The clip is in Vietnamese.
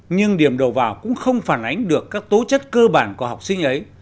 nhưng điểm đầu vào cũng không phản ánh được các tố chất cơ bản của học sinh ấy